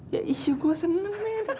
ya isu gue senang men